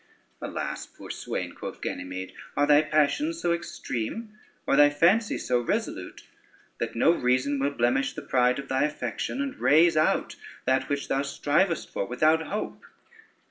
"Alas, poor swain," quoth Ganymede, "are thy passions so extreme or thy fancy so resolute, that no reason will blemish the pride of thy affection, and rase out that which thou strivest for without hope?"